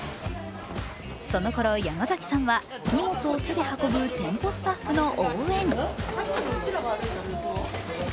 そのころ山崎さんは荷物を手で運ぶ店舗スタッフの応援。